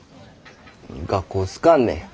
学校好かんねん。